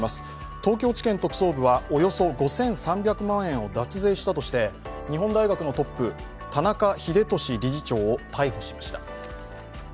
東京地検特捜部はおよそ５３００万円を脱税したとして日本大学のトップ田中英寿理事長を逮捕しました。